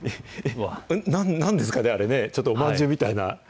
なんですかね、あれ、ちょっとおまんじゅうみたいな。